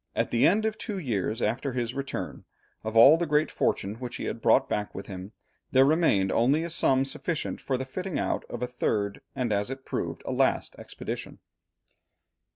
At the end of two years after his return, of all the great fortune which he had brought back with him, there remained only a sum sufficient for the fitting out of a third, and as it proved, a last expedition.